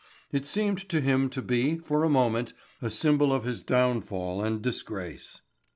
It seemed to him to be, for a moment, a symbol of his downfall and disgrace.